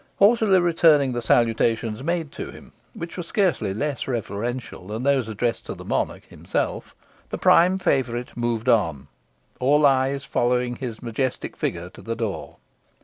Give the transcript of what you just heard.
Haughtily returning the salutations made him, which were scarcely less reverential than those addressed to the monarch himself, the prime favourite moved on, all eyes following his majestic figure to the door.